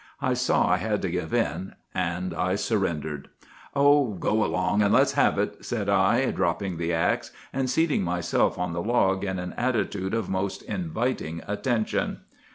I saw I had to give in, and I surrendered. "'Oh, go along and let's have it!' said I, dropping the axe, and seating myself on the log in an attitude of most inviting attention.